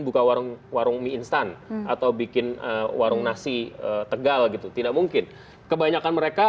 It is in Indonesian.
buka warung warung mie instan atau bikin warung nasi tegal gitu tidak mungkin kebanyakan mereka